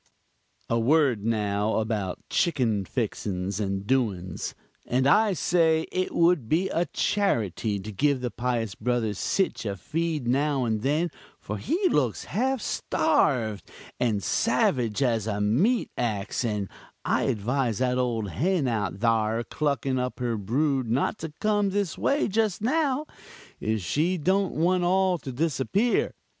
"A word now about chickin fixins and doins. And I say it would be a charity to give the pious brother sich a feed now and then, for he looks half starved, and savage as a meat ax; and I advise that old hen out thare clucking up her brood not to come this way just now, if she don't want all to disappear.